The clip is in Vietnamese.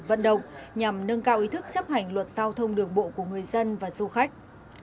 vận động nhằm nâng cao ý thức chấp hành luật giao thông đường bộ của người dân và du khách